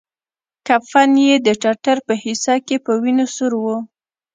کفن يې د ټټر په حصه کښې په وينو سور و.